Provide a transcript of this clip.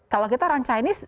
kalau kita orang chinese